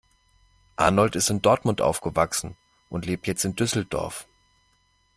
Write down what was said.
Arnold ist in Dortmund aufgewachsen und lebt jetzt in Düsseldorf.